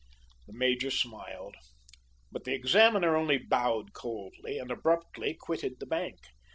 The major smiled, but the examiner only bowed coldly, and abruptly quitted the bank.